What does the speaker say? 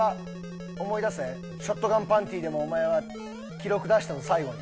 ショットガンパンティでもお前は記録出したぞ最後に。